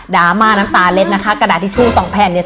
ราม่าน้ำตาเล็ดนะคะกระดาษทิชชู่สองแผ่นเนี่ย